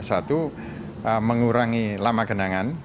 satu mengurangi lama genangan